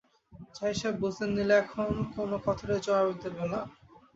জাহিদ সাহেব বুঝলেন, নীলু এখন কোনো কথারই জবাব দেবে না।